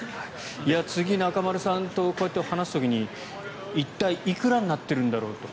次、中丸さんと話す時に一体いくらになっているんだろうって